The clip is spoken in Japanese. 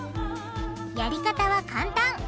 やり方は簡単。